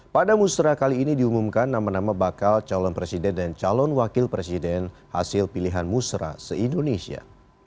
pada musrah kali ini diumumkan nama nama bakal calon presiden dan calon wakil presiden hasil pilihan musra se indonesia